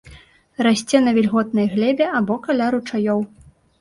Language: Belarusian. Расце на вільготнай глебе або каля ручаёў.